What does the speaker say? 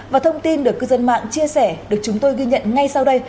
và thông tin được cư dân mạng chia sẻ được chúng tôi ghi nhận ngay sau đây